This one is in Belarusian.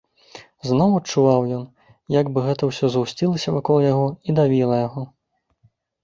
Зноў адчуваў ён, як бы гэта ўсё згусцілася вакол яго і давіла яго.